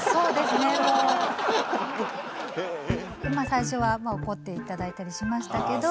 最初は怒って頂いたりしましたけど。